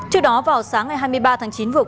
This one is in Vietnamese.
trước đó vào sáng ngày hai mươi ba tháng chín